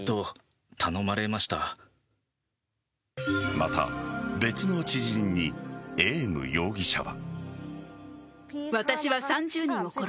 また別の知人にエーム容疑者は。